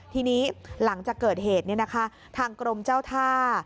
ทีนี้หลังจากเกิดเหตุทางกรมเจ้าท่า